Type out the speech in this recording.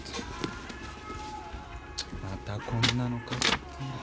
またこんなの飾って。